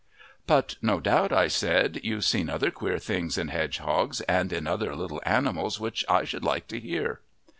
"But no doubt," I said, "you've seen other queer things in hedgehogs and in other little animals which I should like to hear."